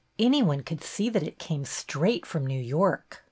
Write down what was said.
Any one could see that it came straight from New York!